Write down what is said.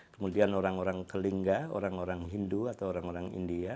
kemudian orang orang telinga orang orang hindu atau orang orang india